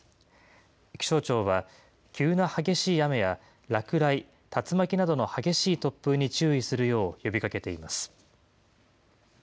気象庁は、急な激しい雨や落雷、竜巻などの激しい突風に注意するよう呼びかけています。